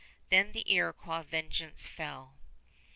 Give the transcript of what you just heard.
Then the Iroquois vengeance fell.